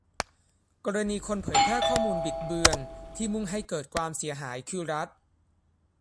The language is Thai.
กรณีคนเผยแพร่ข้อมูลบิดเบือนที่มุ่งให้เกิดความเสียหายคือรัฐ